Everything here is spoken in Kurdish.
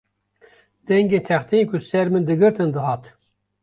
Dengên texteyên ku ser min digirtin dihat